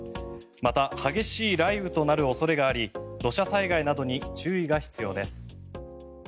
また、激しい雷雨となる恐れがあり土砂災害などに注意が必要です。